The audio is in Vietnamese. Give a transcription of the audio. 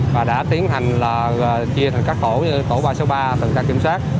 và đã tiến hành chia thành các tổ như tổ ba trăm sáu mươi ba tổng trang kiểm soát